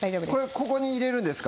ここに入れるんですか？